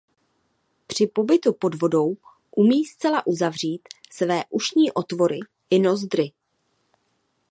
Při pobytu pod vodou umí zcela uzavřít své ušní otvory i nozdry.